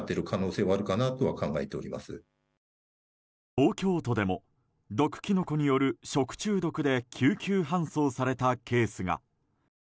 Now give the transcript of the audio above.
東京都でも毒キノコによる食中毒で救急搬送されたケースが。